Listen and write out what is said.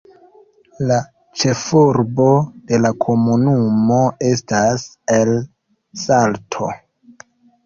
La ĉefurbo de la komunumo estas El Salto.